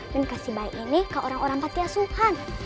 dan kasih bayi ini ke orang orang pantiasuhan